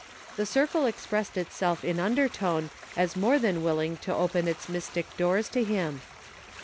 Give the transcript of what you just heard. The circle expressed itself in un dertone as more than willing to open its mystic doors to him.